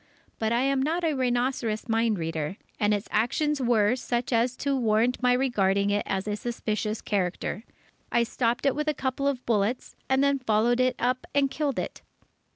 But I am not a rhinoceros mind reader, and its actions were such as to warrant my regarding it as a suspicious character. I stopped it with a couple of bullets, and then followed it up and killed it.